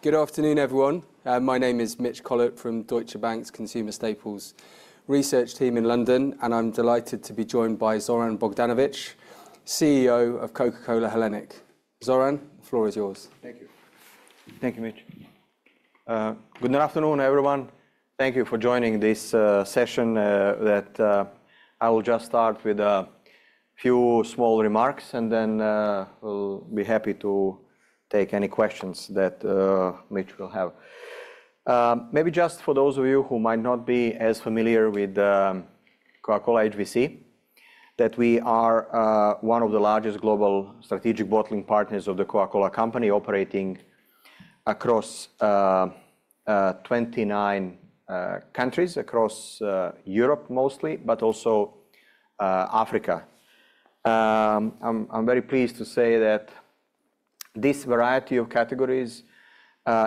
Good afternoon, everyone. My name is Mitch Collett from Deutsche Bank's Consumer Staples research team in London, and I'm delighted to be joined by Zoran Bogdanovic, CEO of Coca-Cola Hellenic. Zoran, the floor is yours. Thank you. Thank you, Mitch. Good afternoon, everyone. Thank you for joining this session. I will just start with a few small remarks, and then we'll be happy to take any questions that Mitch will have. Maybe just for those of you who might not be as familiar with Coca-Cola HBC, that we are one of the largest global strategic bottling partners of The Coca-Cola Company, operating across 29 countries, across Europe mostly, but also Africa. I'm very pleased to say that this variety of categories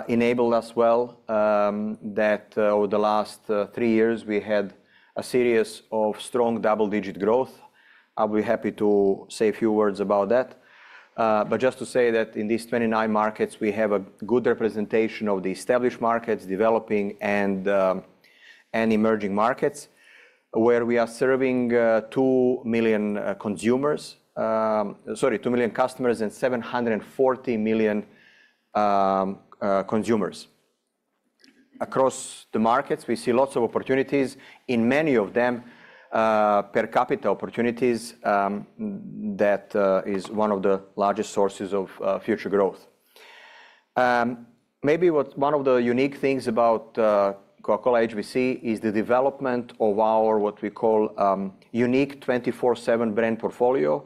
enable us well, that over the last three years we had a series of strong double-digit growth. I'll be happy to say a few words about that. But just to say that in these 29 markets, we have a good representation of the established markets, developing, and emerging markets, where we are serving 2 million consumers. Sorry, 2 million customers and 740 million consumers. Across the markets, we see lots of opportunities. In many of them, per capita opportunities that is one of the largest sources of future growth. Maybe what one of the unique things about Coca-Cola HBC is the development of our, what we call, unique 24/7 brand portfolio,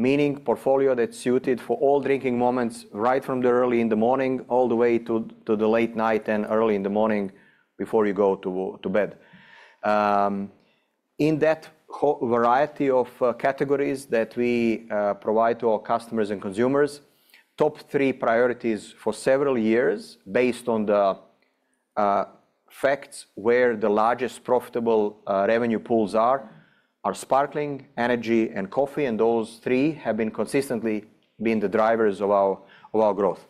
meaning portfolio that's suited for all drinking moments, right from the early in the morning, all the way to the late night and early in the morning before you go to bed. In that variety of categories that we provide to our customers and consumers, top three priorities for several years, based on the facts where the largest profitable revenue pools are sparkling, energy, and coffee, and those three have consistently been the drivers of our growth.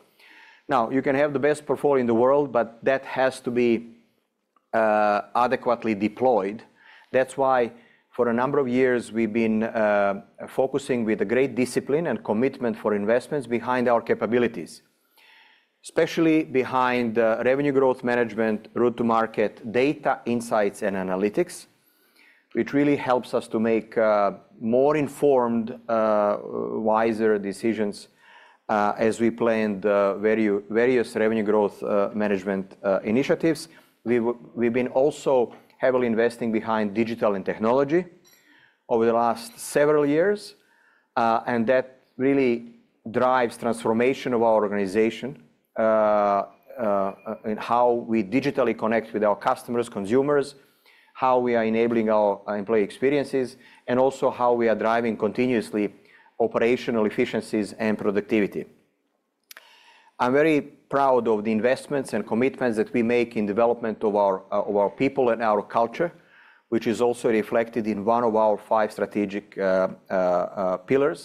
Now, you can have the best portfolio in the world, but that has to be adequately deployed. That's why for a number of years we've been focusing with a great discipline and commitment for investments behind our capabilities, especially behind revenue growth management, route to market, data insights and analytics, which really helps us to make more informed, wiser decisions as we plan the various revenue growth management initiatives. We've been also heavily investing behind digital and technology over the last several years, and that really drives transformation of our organization, in how we digitally connect with our customers, consumers, how we are enabling our employee experiences, and also how we are driving continuously operational efficiencies and productivity. I'm very proud of the investments and commitments that we make in development of our people and our culture, which is also reflected in one of our five strategic pillars.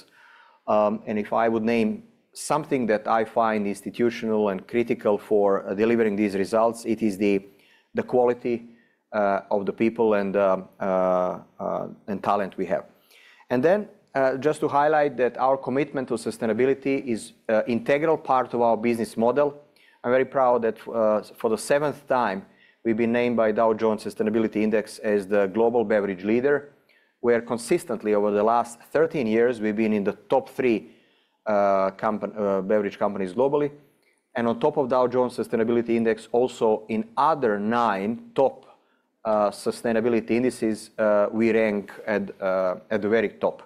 And if I would name something that I find instrumental and critical for delivering these results, it is the quality of the people and talent we have. And then, just to highlight that our commitment to sustainability is an integral part of our business model. I'm very proud that, for the seventh time, we've been named by Dow Jones Sustainability Indices as the global beverage leader, where consistently over the last 13 years, we've been in the top three, beverage companies globally. And on top of Dow Jones Sustainability Indices, also in other nine top, sustainability indices, we rank at, at the very top.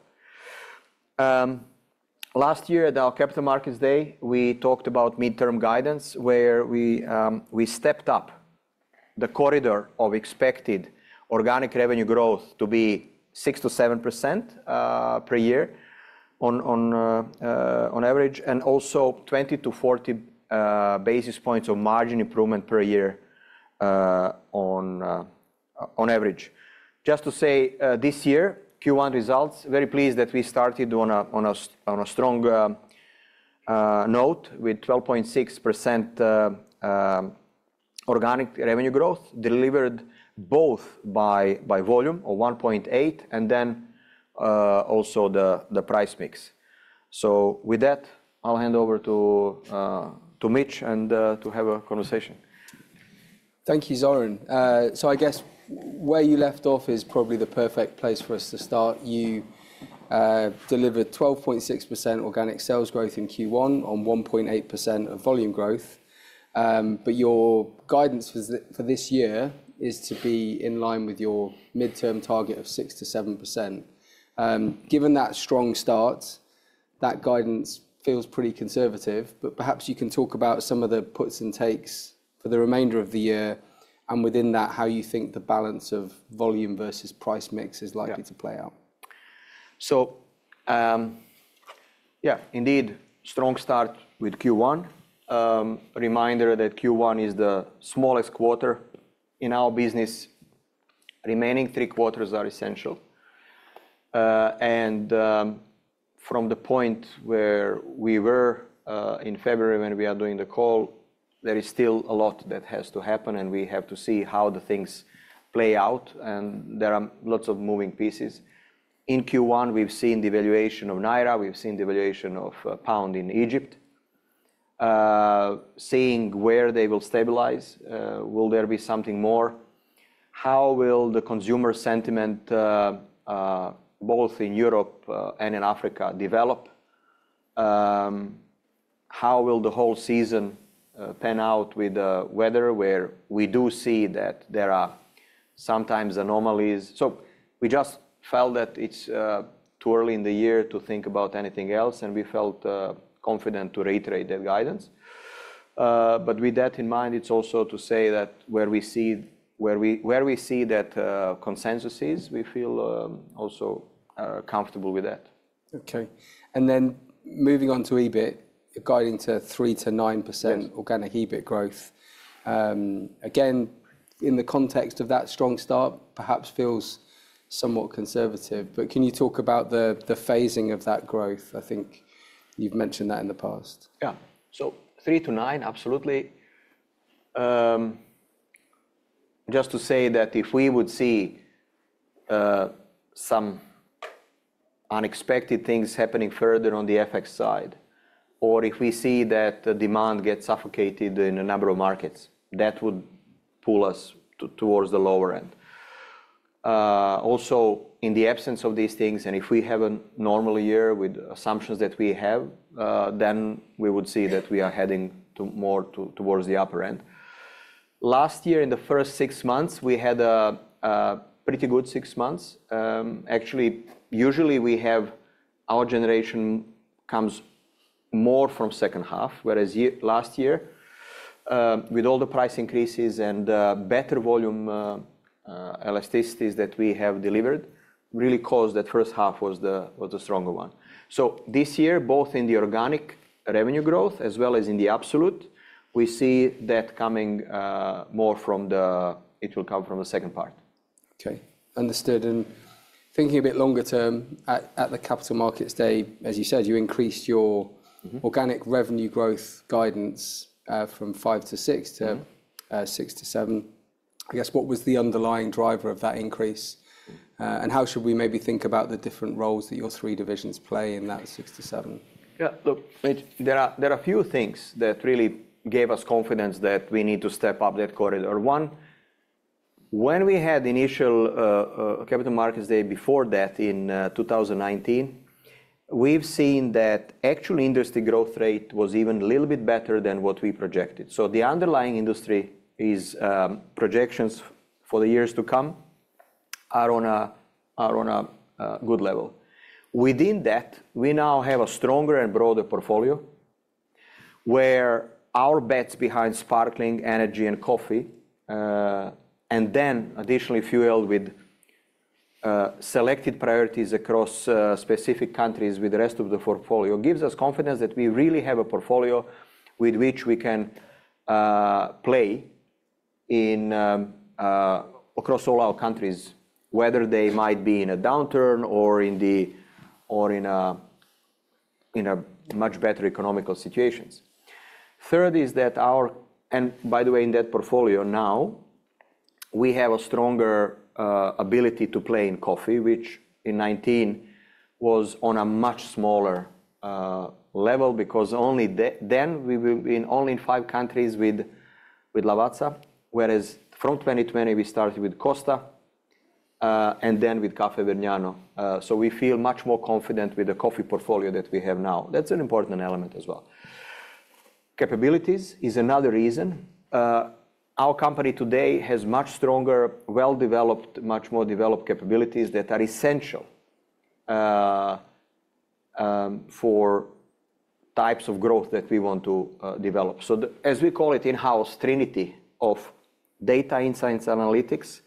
Last year at our Capital Markets Day, we talked about midterm guidance, where we, we stepped up the corridor of expected organic revenue growth to be 6%-7%, per year on, on, on average, and also 20-40 basis points of margin improvement per year, on, on average. Just to say, this year, Q1 results, very pleased that we started on a strong note with 12.6% organic revenue growth, delivered both by volume of 1.8%, and then also the price mix. So with that, I'll hand over to Mitch, and to have a conversation. Thank you, Zoran. So I guess where you left off is probably the perfect place for us to start. You delivered 12.6% organic sales growth in Q1 on 1.8% of volume growth. But your guidance for this year is to be in line with your midterm target of 6%-7%. Given that strong start, that guidance feels pretty conservative, but perhaps you can talk about some of the puts and takes for the remainder of the year, and within that, how you think the balance of volume versus price mix is likely- Yeah... to play out. So, yeah, indeed, strong start with Q1. Reminder that Q1 is the smallest quarter in our business. Remaining three quarters are essential.... and, from the point where we were, in February when we are doing the call, there is still a lot that has to happen, and we have to see how the things play out, and there are lots of moving pieces. In Q1, we've seen devaluation of Naira, we've seen devaluation of, pound in Egypt. Seeing where they will stabilize, will there be something more? How will the consumer sentiment, both in Europe, and in Africa develop? How will the whole season, pan out with the weather, where we do see that there are sometimes anomalies? So we just felt that it's too early in the year to think about anything else, and we felt confident to reiterate the guidance. But with that in mind, it's also to say that where we see that consensus, we feel also comfortable with that. Okay, and then moving on to EBIT, guiding to 3%-9%. Yes... organic EBIT growth. Again, in the context of that strong start, perhaps feels somewhat conservative, but can you talk about the phasing of that growth? I think you've mentioned that in the past. Yeah. So 3%-9%, absolutely. Just to say that if we would see some unexpected things happening further on the FX side, or if we see that the demand gets suffocated in a number of markets, that would pull us toward the lower end. Also, in the absence of these things, and if we have a normal year with assumptions that we have, then we would see that we are heading to more toward the upper end. Last year, in the first six months, we had a pretty good six months. Actually, usually we have our generation comes more from second half, whereas last year, with all the price increases and better volume elasticities that we have delivered, really caused that first half was the stronger one. So this year, both in the organic revenue growth as well as in the absolute, we see that coming more from the... It will come from the second part. Okay, understood. Thinking a bit longer term, at the Capital Markets Day, as you said, you increased your- Mm-hmm... organic revenue growth guidance, from 5%-6% to- Mm-hmm... 6%-7%. I guess, what was the underlying driver of that increase? And how should we maybe think about the different roles that your three divisions play in that 6%-7%? Yeah, look, there are a few things that really gave us confidence that we need to step up that corridor. One, when we had initial Capital Markets Day before that in 2019, we've seen that actual industry growth rate was even a little bit better than what we projected. So the underlying industry projections for the years to come are on a good level. Within that, we now have a stronger and broader portfolio, where our bets behind sparkling, energy, and coffee, and then additionally fueled with selected priorities across specific countries with the rest of the portfolio, gives us confidence that we really have a portfolio with which we can play in across all our countries, whether they might be in a downturn or in a much better economic situations. Third is that our... And by the way, in that portfolio now, we have a stronger ability to play in coffee, which in 2019 was on a much smaller level, because only then we were in only five countries with Lavazza, whereas from 2020, we started with Costa, and then with Caffè Vergnano. So we feel much more confident with the coffee portfolio that we have now. That's an important element as well. Capabilities is another reason. Our company today has much stronger, well-developed, much more developed capabilities that are essential for types of growth that we want to develop. So the, as we call it, in-house trinity of data insight and analytics,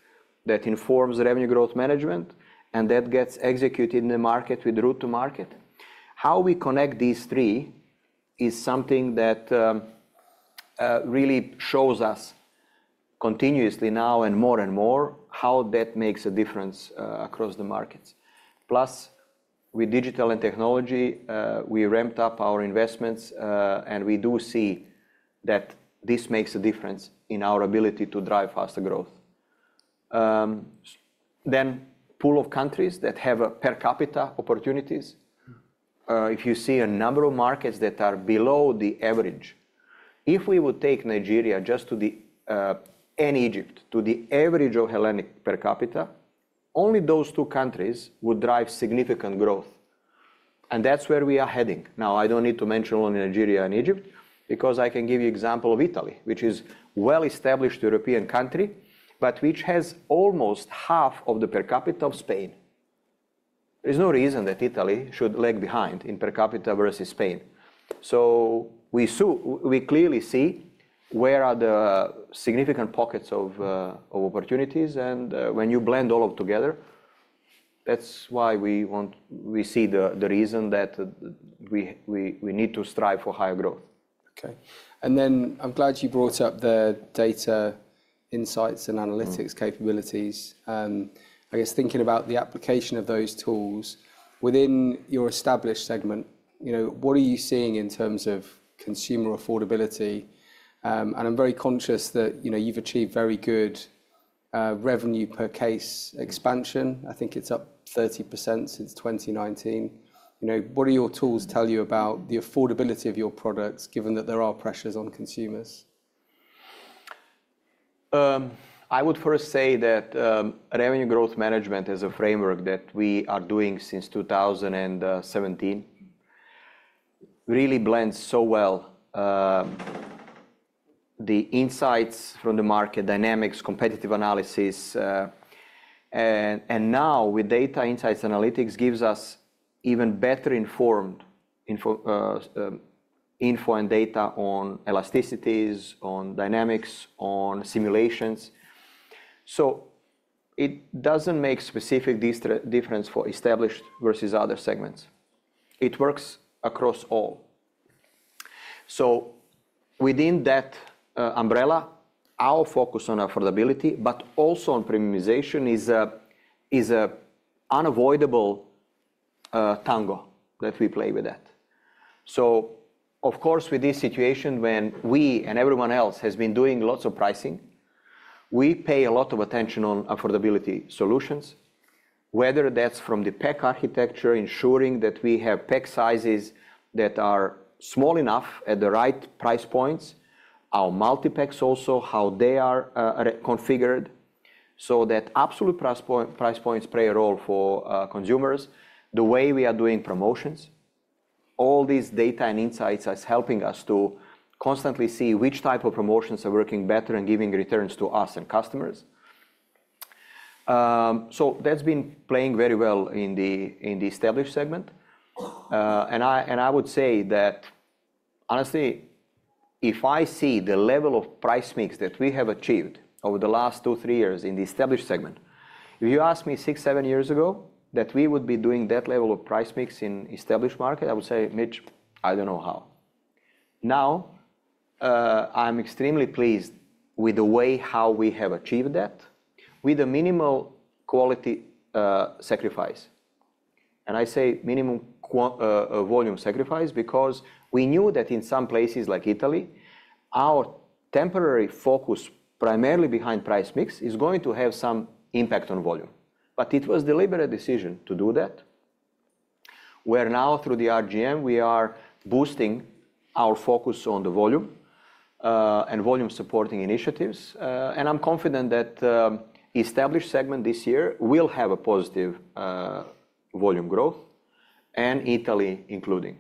that informs revenue growth management, and that gets executed in the market with route to market. How we connect these three is something that really shows us continuously now and more and more, how that makes a difference across the markets. Plus, with digital and technology, we ramped up our investments, and we do see that this makes a difference in our ability to drive faster growth. Then pool of countries that have a per capita opportunities. Mm. If you see a number of markets that are below the average, if we would take Nigeria just to the, and Egypt, to the average of Hellenic per capita, only those two countries would drive significant growth, and that's where we are heading. Now, I don't need to mention only Nigeria and Egypt, because I can give you example of Italy, which is well-established European country, but which has almost half of the per capita of Spain. There's no reason that Italy should lag behind in per capita versus Spain. So we clearly see where are the significant pockets of opportunities, and, when you blend all up together, that's why we see the reason that we need to strive for higher growth. Okay. And then I'm glad you brought up the data insights and analytics capabilities. I guess thinking about the application of those tools within your established segment, you know, what are you seeing in terms of consumer affordability? And I'm very conscious that, you know, you've achieved very good revenue per case expansion. I think it's up 30% since 2019. You know, what do your tools tell you about the affordability of your products, given that there are pressures on consumers? I would first say that revenue growth management is a framework that we are doing since 2017. Really blends so well the insights from the market dynamics, competitive analysis, and now with data insights analytics gives us even better informed info and data on elasticities, on dynamics, on simulations. So it doesn't make specific difference for established versus other segments. It works across all. So within that umbrella, our focus on affordability, but also on premiumization, is a unavoidable tango that we play with that. So of course, with this situation, when we and everyone else has been doing lots of pricing, we pay a lot of attention on affordability solutions, whether that's from the pack architecture, ensuring that we have pack sizes that are small enough at the right price points. Our multipacks also, how they are configured, so that absolute price point, price points play a role for consumers. The way we are doing promotions, all these data and insights is helping us to constantly see which type of promotions are working better and giving returns to us and customers. So that's been playing very well in the established segment. And I would say that, honestly, if I see the level of price mix that we have achieved over the last two, three years in the established segment, if you asked me six, seven years ago that we would be doing that level of price mix in established market, I would say, "Mitch, I don't know how." Now, I'm extremely pleased with the way how we have achieved that with a minimal quality sacrifice. I say minimum volume sacrifice because we knew that in some places, like Italy, our temporary focus, primarily behind price mix, is going to have some impact on volume. But it was deliberate decision to do that, where now through the RGM, we are boosting our focus on the volume, and volume supporting initiatives, and I'm confident that, established segment this year will have a positive, volume growth, and Italy including.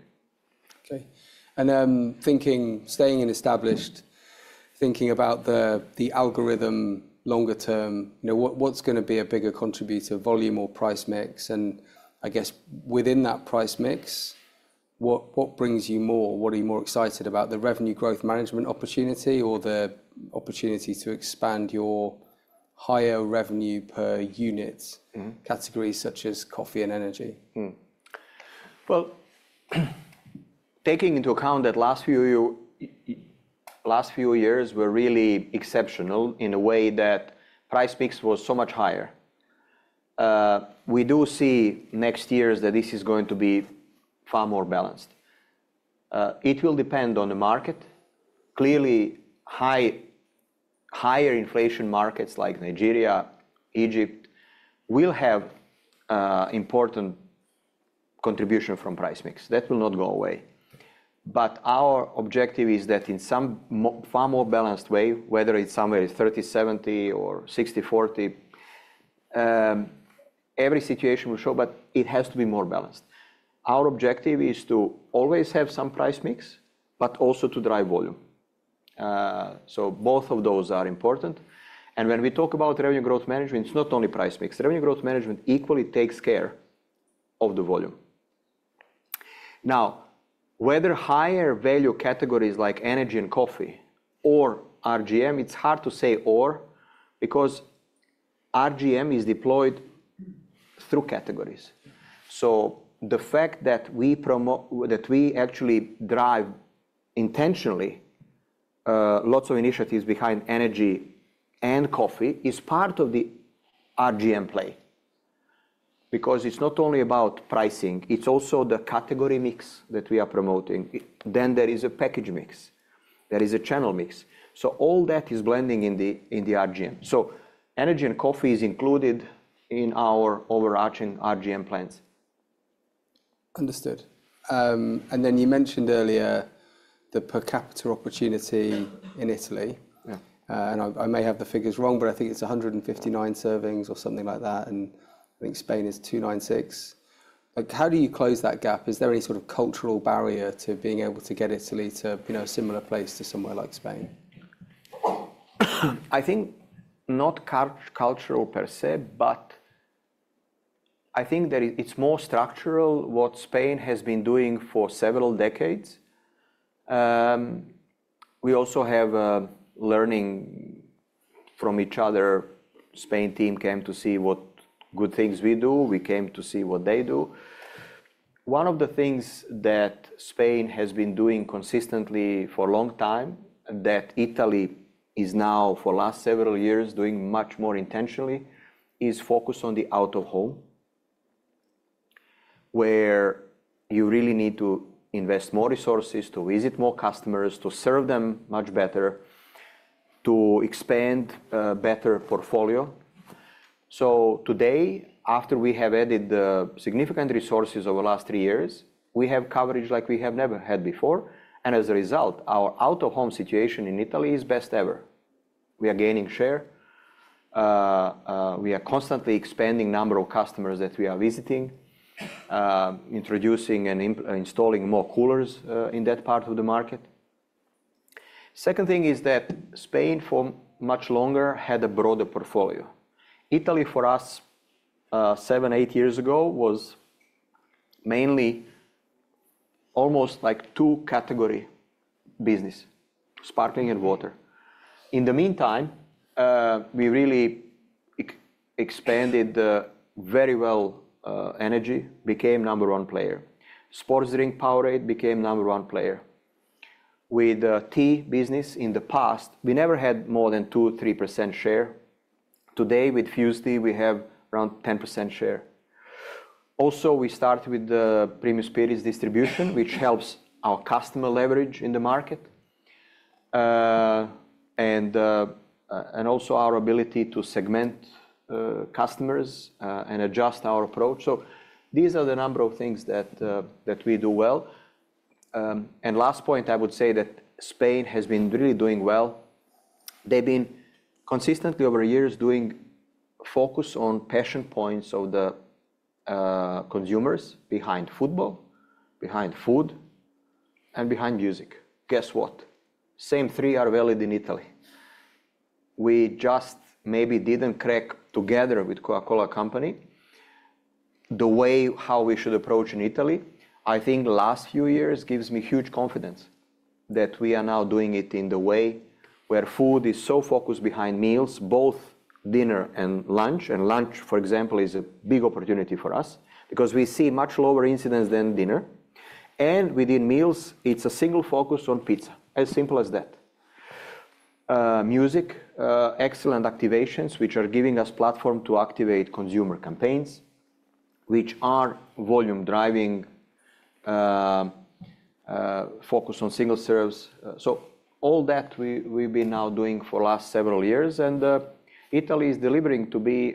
Okay. And staying in established, thinking about the algorithm longer term, you know, what's gonna be a bigger contributor, volume or price mix? And I guess within that price mix, what brings you more- what are you more excited about, the revenue growth management opportunity or the opportunity to expand your higher revenue per unit- Mm-hmm... categories such as coffee and energy? Well, taking into account that last few years were really exceptional in a way that price mix was so much higher. We do see next years that this is going to be far more balanced. It will depend on the market. Clearly, higher inflation markets like Nigeria, Egypt, will have important contribution from price mix. That will not go away. But our objective is that in some far more balanced way, whether it's somewhere 30/70 or 60/40, every situation will show, but it has to be more balanced. Our objective is to always have some price mix, but also to drive volume. So both of those are important, and when we talk about revenue growth management, it's not only price mix. Revenue growth management equally takes care of the volume. Now, whether higher value categories like energy and coffee or RGM, it's hard to say or, because RGM is deployed through categories. So the fact that we actually drive intentionally lots of initiatives behind energy and coffee is part of the RGM play. Because it's not only about pricing, it's also the category mix that we are promoting. Then there is a package mix, there is a channel mix. So all that is blending in the RGM. So energy and coffee is included in our overarching RGM plans. Understood. And then you mentioned earlier the per capita opportunity in Italy. Yeah. and I may have the figures wrong, but I think it's 159 servings or something like that, and I think Spain is 296. Like, how do you close that gap? Is there any sort of cultural barrier to being able to get Italy to, you know, a similar place to somewhere like Spain? I think not cultural per se, but I think there is... It's more structural, what Spain has been doing for several decades. We also have learning from each other. Spain team came to see what good things we do. We came to see what they do. One of the things that Spain has been doing consistently for a long time, that Italy is now for last several years doing much more intentionally, is focus on the out-of-home. Where you really need to invest more resources, to visit more customers, to serve them much better, to expand, better portfolio. So today, after we have added the significant resources over the last three years, we have coverage like we have never had before, and as a result, our out-of-home situation in Italy is best ever. We are gaining share. We are constantly expanding number of customers that we are visiting, introducing and installing more coolers, in that part of the market. Second thing is that Spain, for much longer, had a broader portfolio. Italy, for us, sevent to eight years ago, was mainly almost like two category business: sparkling and water. In the meantime, we really expanded the very well, energy, became number one player. Sports drink Powerade became number one player. With the tea business in the past, we never had more than 2%-3% share. Today, with Fuze Tea, we have around 10% share. Also, we start with the premium spirits distribution, which helps our customer leverage in the market, and also our ability to segment customers, and adjust our approach. These are the number of things that, that we do well. Last point, I would say that Spain has been really doing well. They've been consistently, over years, doing focus on passion points of the consumers behind football, behind food, and behind music. Guess what? Same three are valid in Italy. We just maybe didn't crack together with Coca-Cola Company, the way how we should approach in Italy. I think the last few years gives me huge confidence that we are now doing it in the way where food is so focused behind meals, both dinner and lunch, and lunch, for example, is a big opportunity for us because we see much lower incidence than dinner. Within meals, it's a single focus on pizza, as simple as that. Music, excellent activations, which are giving us platform to activate consumer campaigns, which are volume driving, focus on single serves. So all that we, we've been now doing for last several years, and Italy is delivering to be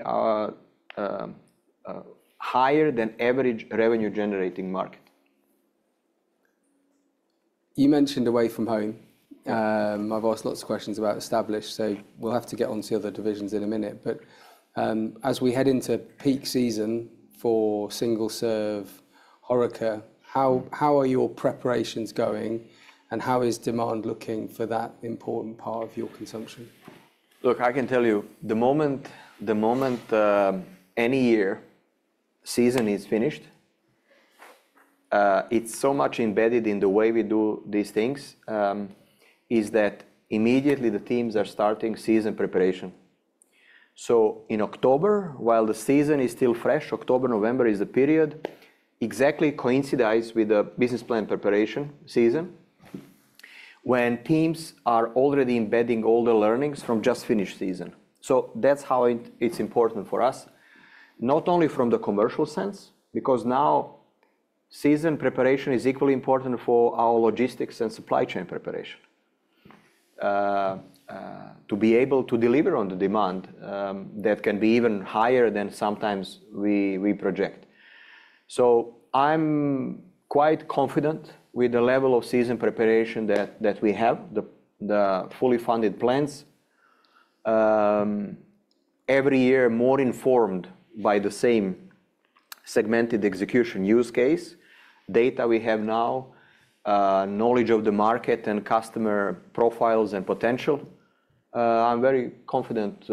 higher-than-average revenue generating market. You mentioned away from home. I've asked lots of questions about established, so we'll have to get on to the other divisions in a minute, but, as we head into peak season for single serve HoReCa, how, how are your preparations going, and how is demand looking for that important part of your consumption? Look, I can tell you, the moment any year season is finished, it's so much embedded in the way we do these things, is that immediately the teams are starting season preparation. So in October, while the season is still fresh, October, November is the period, exactly coincides with the business plan preparation season, when teams are already embedding all the learnings from just finished season. So that's how it, it's important for us, not only from the commercial sense, because now season preparation is equally important for our logistics and supply chain preparation. To be able to deliver on the demand, that can be even higher than sometimes we project. So I'm quite confident with the level of season preparation that we have, the fully funded plans. Every year, more informed by the same segmented execution use case, data we have now, knowledge of the market and customer profiles and potential. I'm very confident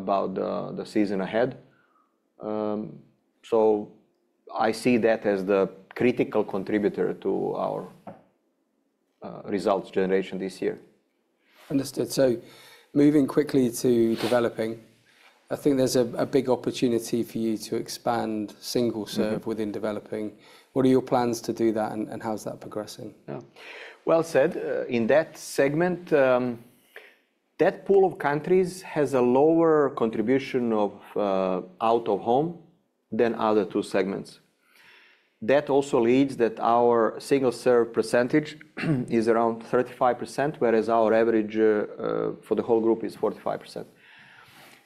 about the season ahead. So I see that as the critical contributor to our results generation this year. Understood. So moving quickly to developing, I think there's a big opportunity for you to expand single serve- Mm-hmm... within developing. What are your plans to do that, and how's that progressing? Yeah. Well said. In that segment, that pool of countries has a lower contribution of out-of-home than other two segments. That also leads that our single serve percentage is around 35%, whereas our average for the whole group is 45%.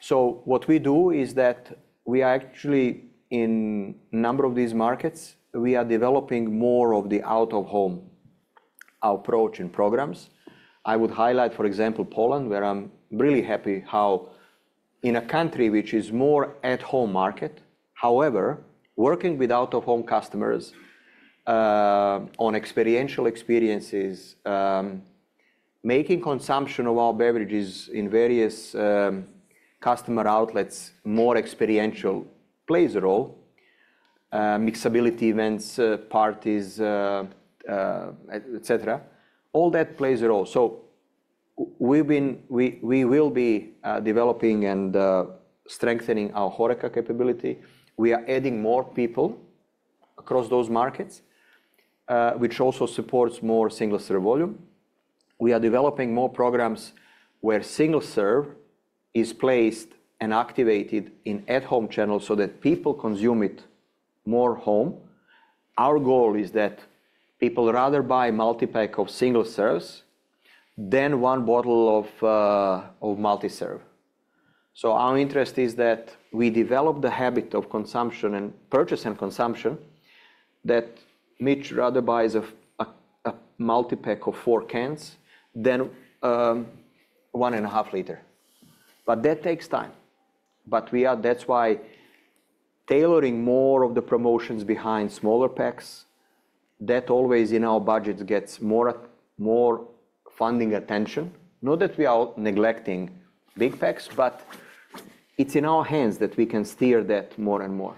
So what we do is that we are actually in number of these markets, we are developing more of the out-of-home approach and programs. I would highlight, for example, Poland, where I'm really happy how in a country which is more at-home market, however, working with out-of-home customers on experiential experiences, making consumption of our beverages in various customer outlets more experiential plays a role. Mixability events, parties, et cetera, all that plays a role. So we've been developing and will be strengthening our HoReCa capability. We are adding more people across those markets, which also supports more single-serve volume. We are developing more programs where single-serve is placed and activated in at-home channels, so that people consume it more at home. Our goal is that people rather buy multi-pack of single serves than one bottle of multi-serve. So our interest is that we develop the habit of consumption and purchase and consumption, that Mitch rather buys a multi-pack of four cans than 1.5 L. But that takes time. That's why tailoring more of the promotions behind smaller packs, that always, in our budget, gets more funding attention. Not that we are neglecting big packs, but it's in our hands that we can steer that more and more.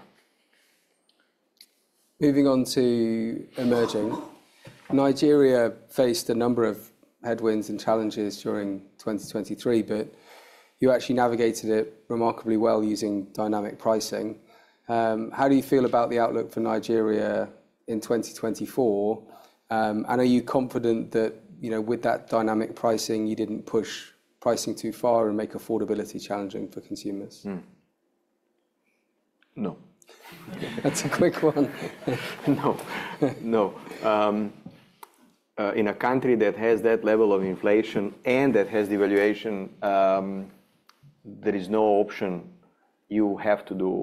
Moving on to emerging. Nigeria faced a number of headwinds and challenges during 2023, but you actually navigated it remarkably well, using dynamic pricing. How do you feel about the outlook for Nigeria in 2024? And are you confident that, you know, with that dynamic pricing, you didn't push pricing too far and make affordability challenging for consumers? Mm. No. That's a quick one. No. No, in a country that has that level of inflation and that has devaluation, there is no option. You have to do,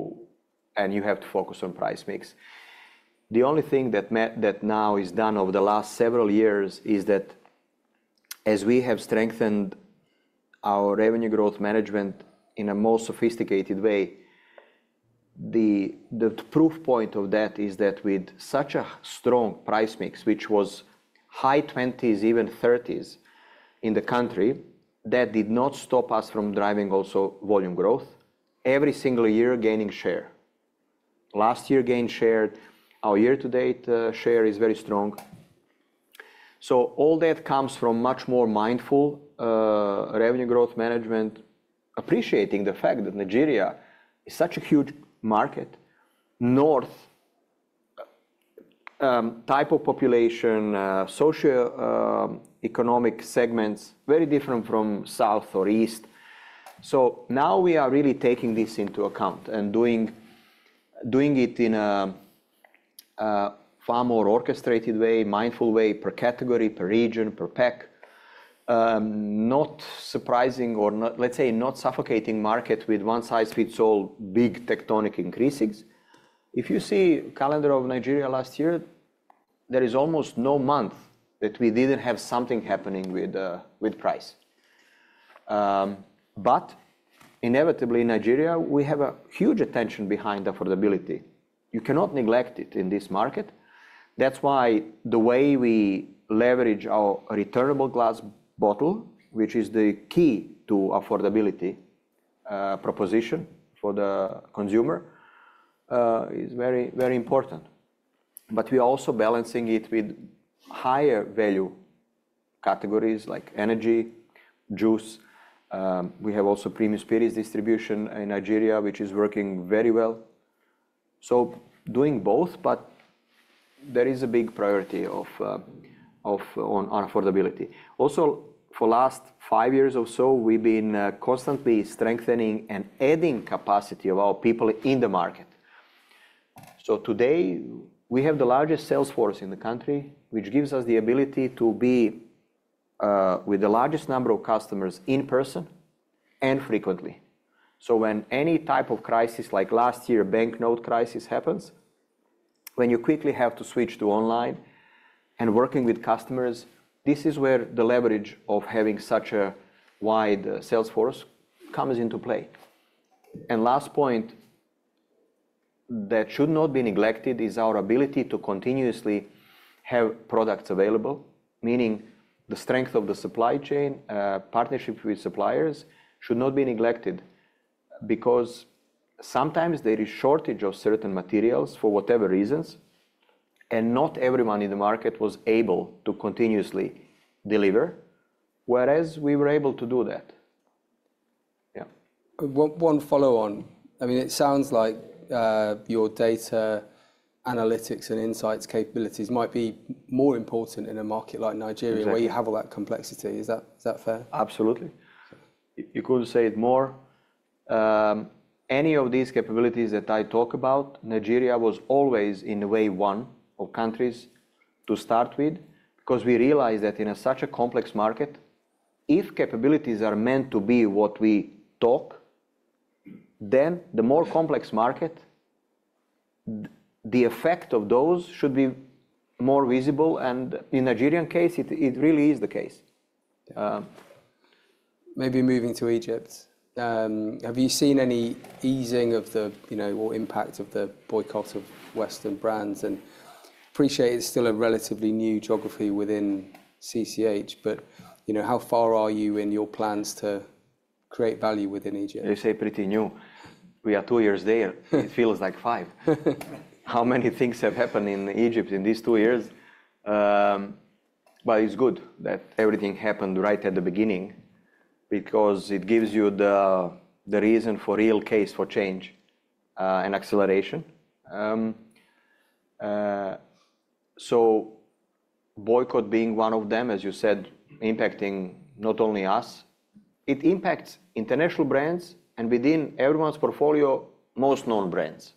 and you have to focus on price mix. The only thing that now is done over the last several years is that as we have strengthened our revenue growth management in a more sophisticated way, the proof point of that is that with such a strong price mix, which was high 20s, even 30s in the country, that did not stop us from driving also volume growth. Every single year, gaining share. Last year, gained share. Our year-to-date share is very strong. So all that comes from much more mindful revenue growth management, appreciating the fact that Nigeria is such a huge market. North type of population, socio-economic segments, very different from south or east. So now we are really taking this into account, and doing, doing it in a, a far more orchestrated way, mindful way, per category, per region, per pack. Not surprising or not... Let's say, not suffocating market with one-size-fits-all, big tectonic increasings. If you see calendar of Nigeria last year, there is almost no month that we didn't have something happening with, with price. But inevitably, in Nigeria, we have a huge attention behind affordability. You cannot neglect it in this market. That's why the way we leverage our returnable glass bottle, which is the key to affordability, proposition for the consumer, is very, very important. But we are also balancing it with higher value categories, like energy, juice. We have also premium spirits distribution in Nigeria, which is working very well. So doing both, but there is a big priority of, of, on affordability. Also, for last five years or so, we've been constantly strengthening and adding capacity of our people in the market. So today, we have the largest sales force in the country, which gives us the ability to be with the largest number of customers in person, and frequently. So when any type of crisis, like last year, banknote crisis happens, when you quickly have to switch to online and working with customers, this is where the leverage of having such a wide sales force comes into play. And last point that should not be neglected is our ability to continuously have products available, meaning the strength of the supply chain, partnership with suppliers should not be neglected. Because sometimes there is shortage of certain materials, for whatever reasons, and not everyone in the market was able to continuously deliver, whereas we were able to do that. Yeah. One, one follow on. I mean, it sounds like your data analytics and insights capabilities might be more important in a market like Nigeria- Exactly... where you have all that complexity. Is that, is that fair? Absolutely. You couldn't say it more. Any of these capabilities that I talk about, Nigeria was always in the wave one of countries to start with, because we realized that in a such a complex market, if capabilities are meant to be what we talk, then the more complex market, the effect of those should be more visible, and in Nigerian case, it, it really is the case. Maybe moving to Egypt, have you seen any easing of the, you know, or impact of the boycott of Western brands? And appreciate it's still a relatively new geography within CCH, but, you know, how far are you in your plans to create value within Egypt? You say pretty new. We are two years there, it feels like five. How many things have happened in Egypt in these two years? But it's good that everything happened right at the beginning, because it gives you the, the reason for real case for change, and acceleration. So boycott being one of them, as you said, impacting not only us, it impacts international brands, and within everyone's portfolio, most known brands.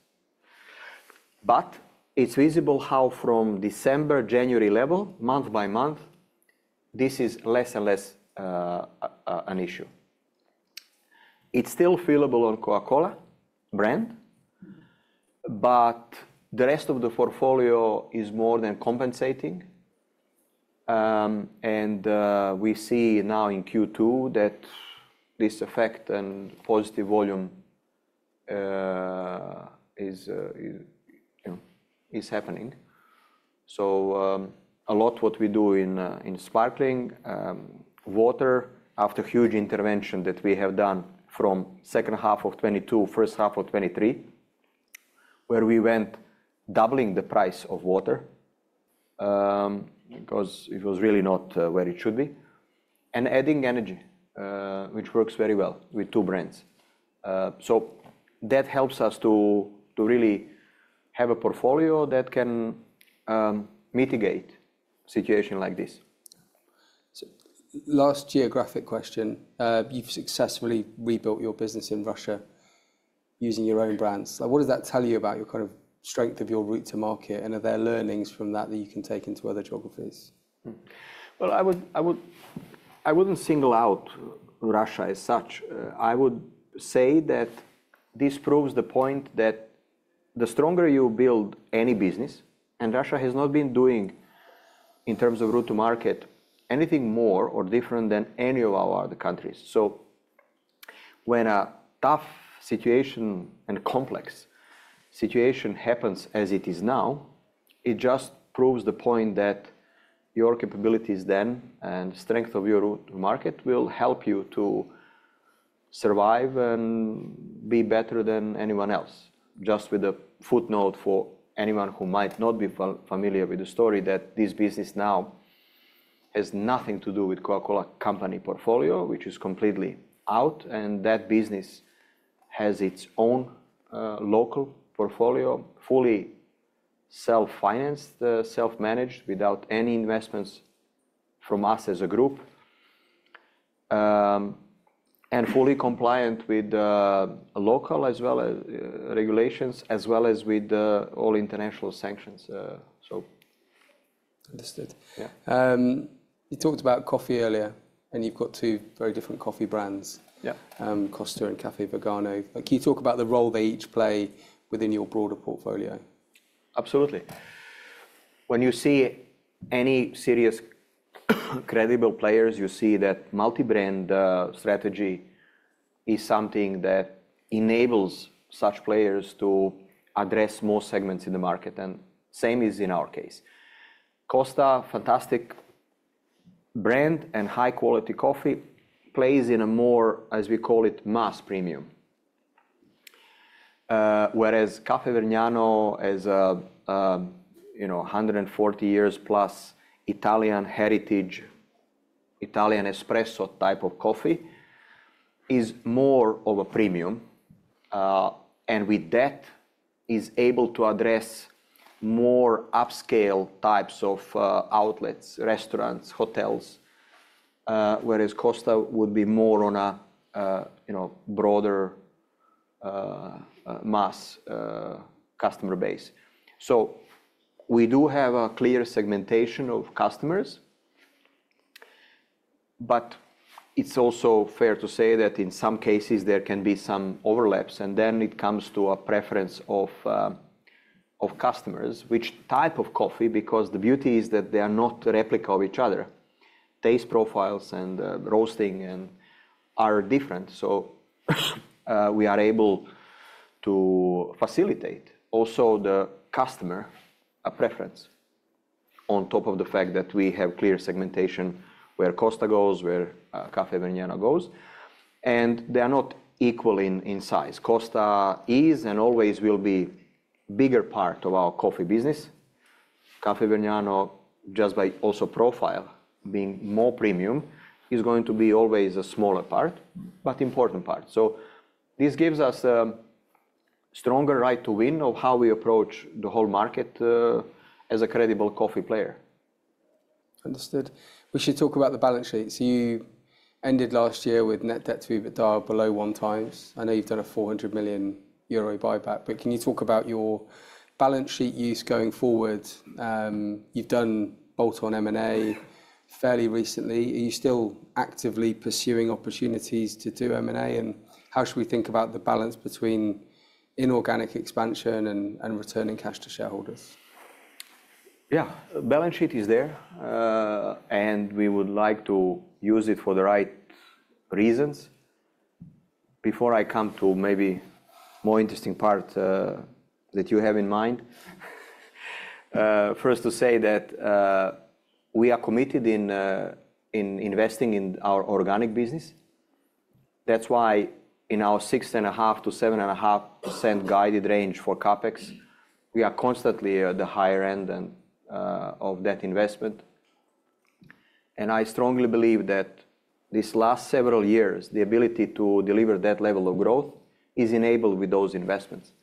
But it's visible how from December, January level, month by month, this is less and less, an issue. It's still feelable on Coca-Cola brand, but the rest of the portfolio is more than compensating. And we see now in Q2 that this effect and positive volume, is, you know, is happening. So, a lot what we do in sparkling water, after huge intervention that we have done from second half of 2022, first half of 2023, where we went doubling the price of water. Because it was really not where it should be. And adding energy, which works very well with two brands. So that helps us to really have a portfolio that can mitigate situation like this. Last geographic question. You've successfully rebuilt your business in Russia using your own brands. Like, what does that tell you about your kind of strength of your route to market, and are there learnings from that, that you can take into other geographies? Well, I wouldn't single out Russia as such. I would say that this proves the point that the stronger you build any business, and Russia has not been doing, in terms of route to market, anything more or different than any of our other countries. So when a tough situation and complex situation happens as it is now, it just proves the point that your capabilities then and strength of your route to market will help you to survive and be better than anyone else. Just with a footnote for anyone who might not be familiar with the story, that this business now has nothing to do with Coca-Cola Company portfolio, which is completely out, and that business has its own local portfolio, fully self-financed, self-managed, without any investments from us as a group. Fully compliant with local as well regulations, as well as with all international sanctions, so... Understood. Yeah. You talked about coffee earlier, and you've got two very different coffee brands. Yeah. Costa and Caffè Vergnano. Can you talk about the role they each play within your broader portfolio? Absolutely. When you see any serious, credible players, you see that multi-brand strategy is something that enables such players to address more segments in the market, and same is in our case. Costa, fantastic brand and high-quality coffee, plays in a more, as we call it, mass premium. Whereas Caffè Vergnano is a, you know, 140 years-plus Italian heritage, Italian espresso type of coffee, is more of a premium, and with that, is able to address more upscale types of outlets, restaurants, hotels. Whereas Costa would be more on a, you know, broader, mass customer base. So we do have a clear segmentation of customers, but it's also fair to say that in some cases there can be some overlaps, and then it comes to a preference of customers, which type of coffee, because the beauty is that they are not a replica of each other. Taste profiles and roasting and are different, so we are able to facilitate also the customer a preference, on top of the fact that we have clear segmentation, where Costa goes, where Caffè Vergnano goes. And they are not equal in size. Costa is, and always will be, bigger part of our coffee business. Caffè Vergnano, just by also profile, being more premium, is going to be always a smaller part, but important part. So this gives us a stronger right to win of how we approach the whole market as a credible coffee player. Understood. We should talk about the balance sheets. You ended last year with net debt to EBITDA below 1x. I know you've done a 400 million euro buyback, but can you talk about your balance sheet use going forward? You've done bolt-on M&A fairly recently. Are you still actively pursuing opportunities to do M&A, and how should we think about the balance between inorganic expansion and returning cash to shareholders? Yeah. Balance sheet is there, and we would like to use it for the right reasons. Before I come to maybe more interesting part that you have in mind, first to say that we are committed in investing in our organic business. That's why in our 6.5%-7.5% guided range for CapEx, we are constantly at the higher end and of that investment. And I strongly believe that these last several years, the ability to deliver that level of growth is enabled with those investments,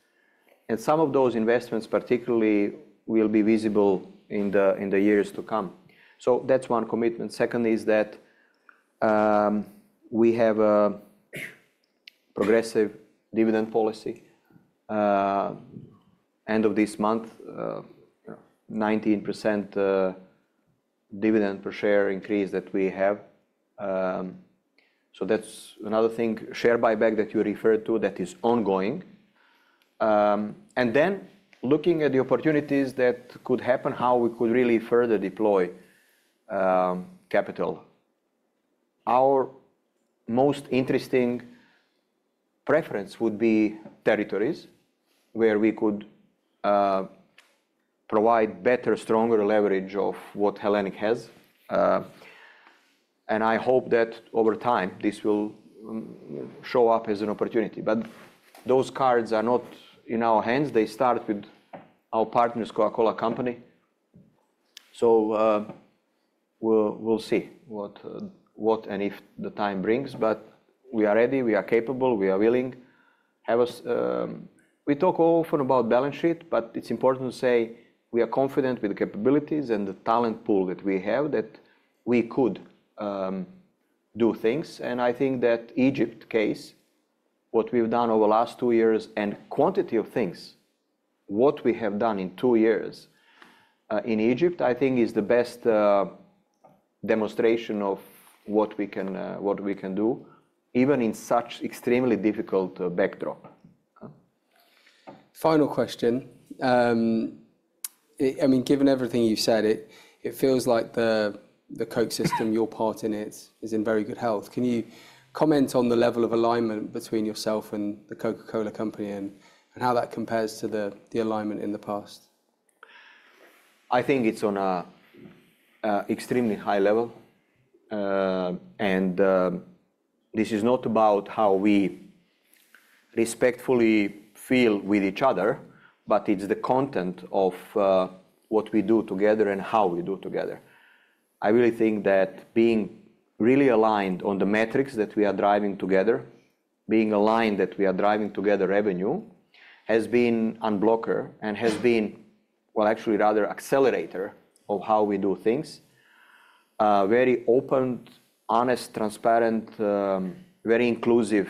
and some of those investments particularly will be visible in the years to come. So that's one commitment. Second is that we have a progressive dividend policy. End of this month, 19% dividend per share increase that we have. So that's another thing. Share buyback that you referred to, that is ongoing. And then looking at the opportunities that could happen, how we could really further deploy capital. Our most interesting preference would be territories where we could provide better, stronger leverage of what Hellenic has. And I hope that over time this will show up as an opportunity. But those cards are not in our hands, they start with our partners, The Coca-Cola Company. So, we'll see what and if the time brings, but we are ready, we are capable, we are willing. Have us. We talk often about balance sheet, but it's important to say we are confident with the capabilities and the talent pool that we have, that we could do things. I think that Egypt case, what we've done over the last two years, and quantity of things, what we have done in two years, in Egypt, I think is the best demonstration of what we can do, even in such extremely difficult backdrop. Final question. I mean, given everything you've said, it feels like the Coke system, your part in it, is in very good health. Can you comment on the level of alignment between yourself and The Coca-Cola Company, and how that compares to the alignment in the past? I think it's on an extremely high level. This is not about how we respectfully feel with each other, but it's the content of what we do together and how we do together. I really think that being really aligned on the metrics that we are driving together, being aligned that we are driving together revenue, has been unblocker and has been... well, actually rather accelerator of how we do things. Very open, honest, transparent, very inclusive,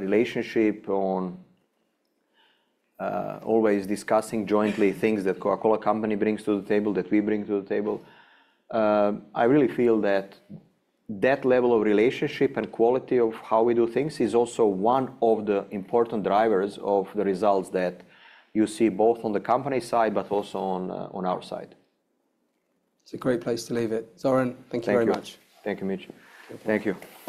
relationship on always discussing jointly things that Coca-Cola Company brings to the table, that we bring to the table. I really feel that that level of relationship and quality of how we do things is also one of the important drivers of the results that you see, both on the company side, but also on our side. It's a great place to leave it. Zoran, thank you very much. Thank you. Thank you, Mitch. Thank you.